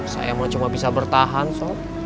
saya mah cuma bisa bertahan sok